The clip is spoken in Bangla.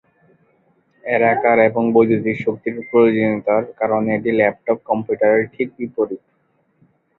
এর আকার এবং বৈদ্যুতিক শক্তির প্রয়োজনীয়তার কারণে এটি ল্যাপটপ কম্পিউটারের ঠিক বিপরীত।